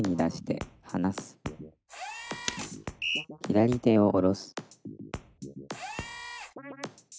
「左手を下ろす」